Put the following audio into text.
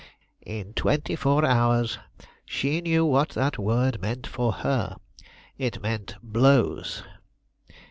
In twenty four hours she knew what that word meant for her; it meant blows.